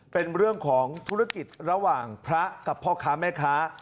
เป็นเรื่องของธุรกิจระหว่างพระกับพ่อค้าแม่ค้า